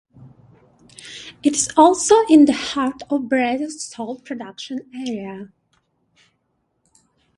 It is also in the heart of Brazil's salt production area.